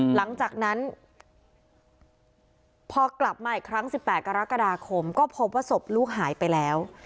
หลังจากนั้นพอกลับมาอีกครั้ง๑๘กรกฎาคมก็พบว่าศพลูกหายไปแล้ว